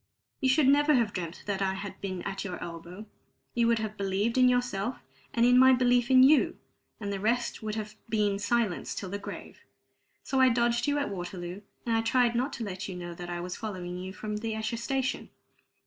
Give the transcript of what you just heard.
You should never have dreamt that I had been at your elbow; you would have believed in yourself, and in my belief in you, and the rest would have been silence till the grave. So I dodged you at Waterloo, and I tried not to let you know that I was following you from Esher station.